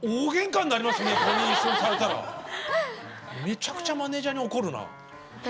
めちゃくちゃマネージャーに怒るなあ。